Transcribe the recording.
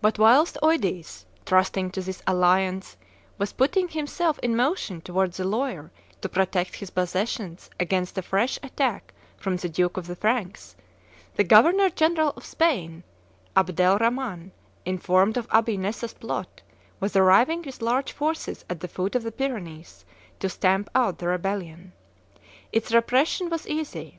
But whilst Eudes, trusting to this alliance, was putting himself in motion towards the Loire to protect his possessions against a fresh attack from the Duke of the Franks, the governor general of Spain, Abdel Rhaman, informed of Abi Nessa's plot, was arriving with large forces at the foot of the Pyrenees, to stamp out the rebellion. Its repression was easy.